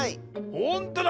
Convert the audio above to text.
ほんとだ！